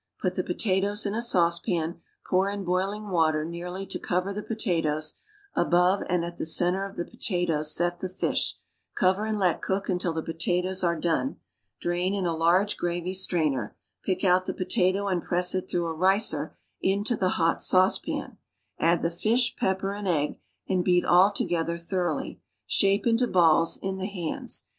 Put the potatoes in a saucepan, pour in boiling water nearly to cover llie potatoes; above and at the center of the potatoes set the fish, cover and let cook until the potatoes are done; drain in a large gravy strainer; pick out the potato and press it through a ricer into the hot saucepan, add the fish, pepper and egg and beat all together thoroughly; shape into balls, in the hands.